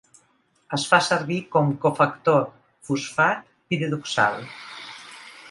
Es fa servir com cofactor fosfat piridoxal.